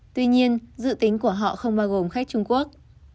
tuy nhiên dự tính của họ không bao gồm khách trung quốc